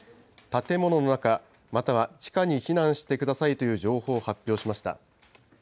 建物の中、または地下に避難してくださいという情報を発表しました。